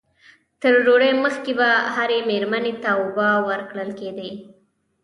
تر ډوډۍ مخکې به هرې مېرمنې ته اوبه ور وړل کېدې.